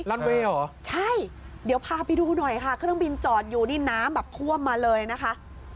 ลันเวย์เหรอใช่เดี๋ยวพาไปดูหน่อยค่ะเครื่องบินจอดอยู่นี่น้ำแบบท่วมมาเลยนะคะ